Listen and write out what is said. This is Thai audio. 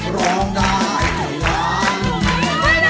ร้องได้ให้ล้าน